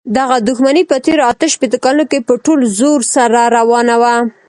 دغه دښمني په تېرو اته شپېتو کالونو کې په ټول زور سره روانه ده.